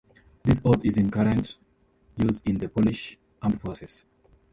This oath is in current use in the Polish Armed Forces.